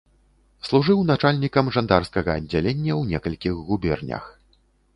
Служыў начальнікам жандарскага аддзялення ў некалькіх губернях.